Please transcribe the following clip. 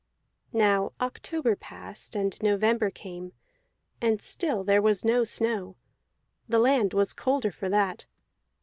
Now October passed, and November came, and still there was no snow; the land was colder for that.